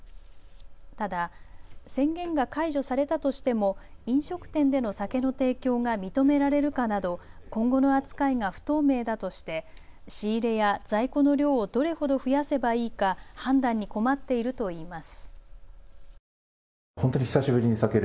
ただ、宣言が解除されたとしても飲食店での酒の提供が認められるかなど今後の扱いが不透明だとして仕入れや在庫の量をどれほど増やせばいいか判断に困っているといいます。